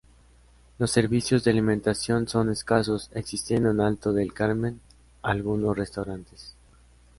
Los servicios de alimentación son escasos, existiendo en Alto del Carmen algunos restaurantes.